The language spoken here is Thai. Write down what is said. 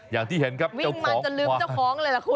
อย่างที่เห็นครับเจ้าของควายวิ่งมันจะลืมเจ้าของเลยล่ะคุณ